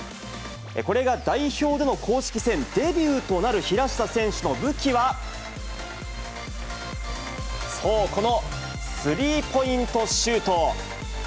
これが代表での公式戦デビューとなる平下選手の武器は、そう、このスリーポイントシュート。